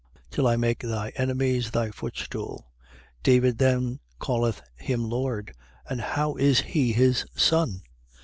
Till I make thy enemies thy footstool. 20:44. David then calleth him Lord. And how is he his son?